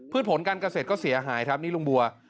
ผลการเกษตรก็เสียหายครับนี่ลุงบัว